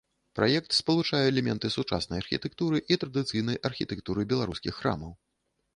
Праект спалучае элементы сучаснай архітэктуры і традыцыйнай архітэктуры беларускіх храмаў.